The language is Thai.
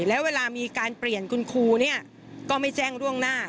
แล้วเวลามีการเปลี่ยนคุณครูเนี่ยก็ไม่แจ้งล่วงหน้า